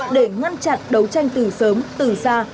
để ngăn chặn đấu tranh từ sớm từ xa